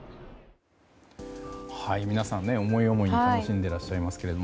皆さん思い思いに楽しんでいらっしゃいますが。